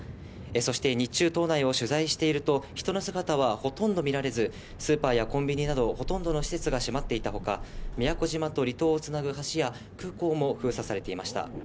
そして日中、島内を取材していると人の姿はほとんど見られず、スーパーやコンビニなど、ほとんどの施設が閉まっていたほか、宮古島と離島をつなぐ橋や、空港も封鎖されていました。